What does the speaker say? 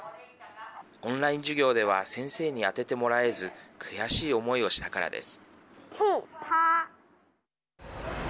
オンライン授業では先生に当ててもらえず悔しい思いをしたからです。